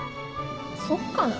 そっかな。